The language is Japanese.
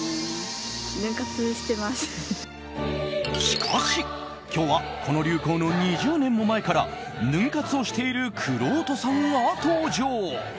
しかし、今日はこの流行の２０年も前からヌン活をしているくろうとさんが登場。